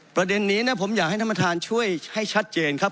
ประเด็นนี้นะผมอยากให้ท่านประธานช่วยให้ชัดเจนครับ